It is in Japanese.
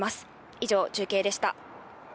以上、中継でした。